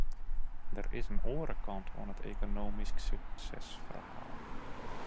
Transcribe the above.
Der is in oare kant oan it ekonomysk suksesferhaal.